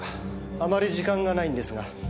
あまり時間がないんですが。